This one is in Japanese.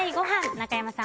中山さん